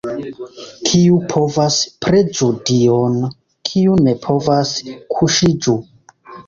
Kiu povas, preĝu Dion, kiu ne povas, kuŝiĝu!